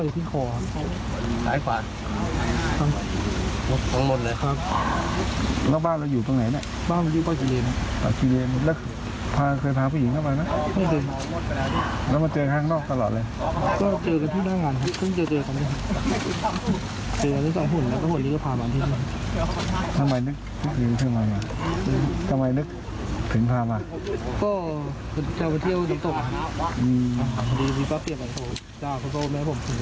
ทำไมนึกถึงตกไหมทำไมนึกถึงพามากก็จะเอาไปเที่ยวในตกนะครับ